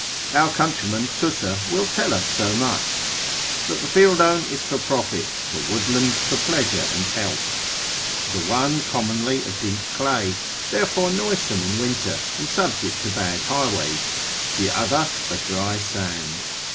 Our countryman Tusser will tell us so much, that the fieldone is for profit, the woodland for pleasure and health; the one commonly a deep clay, therefore noisome in winter, and subject to bad highways: the other a dry sand.